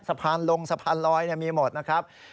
สะพานลงสะพานลอยมีหมดนะครับ